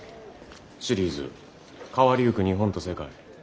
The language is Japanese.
シリーズ「変わりゆく日本と世界」。